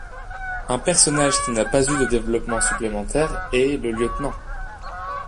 Un personnage qui n'a pas eu de développement supplémentaire est le Lt.